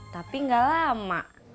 tapi gak lama